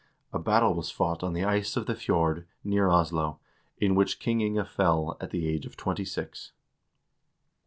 A battle was fought on the ice of the fjord, near Oslo, in which King Inge fell, at the age of twenty six.